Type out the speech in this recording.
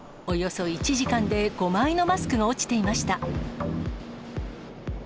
およそ１時間で５枚のマスクが落ちていました。